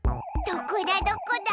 どこだどこだ？